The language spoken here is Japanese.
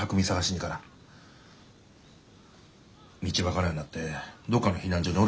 道分からんようになってどっかの避難所におるかもしれん。